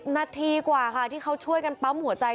นาทีกว่าค่ะที่เขาช่วยกันปั๊มหัวใจ